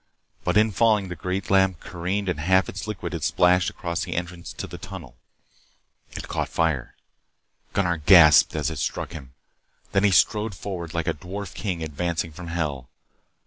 But in falling, the great lamp careened and half of its liquid had splashed across the entrance to the tunnel. It caught fire. Gunnar gasped as it struck him. Then he strode forward, like a dwarf king advancing from Hell.